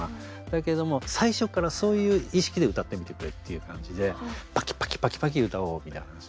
だけども最初からそういう意識で歌ってみてくれっていう感じでパキパキパキパキ歌おうみたいな感じ。